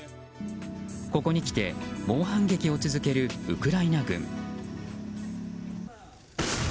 ここにきて猛反撃を続けるウクライナ軍。